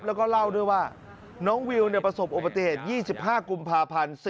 แล้วก็เล่าด้วยว่าน้องวิวเนี่ยประสบโอปเตศ๒๕กุมภาพันธ์